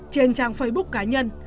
trên trang facebook cá nhân